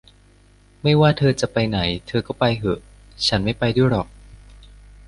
ไม่ว่าเธอจะไปไหน เธอก็ไปเหอะ ฉันไม่ไปด้วยหรอก